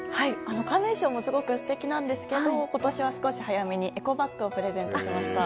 カーネーションもすごく素敵なんですが今年は少し早めにエコバッグをプレゼントしました。